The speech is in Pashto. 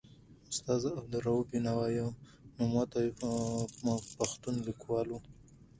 استاد عبدالروف بینوا یو نوموتی پښتون لیکوال و.